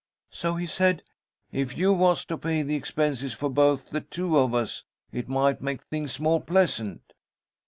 So he said, 'If you was to pay the expenses for both the two of us, it might make things more pleasant.'